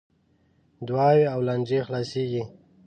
دعاوې او لانجې خلاصیږي .